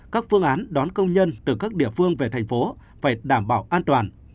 các phương án đón công nhân từ các địa phương về tp hcm phải đảm bảo an toàn